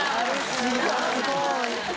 すごーい！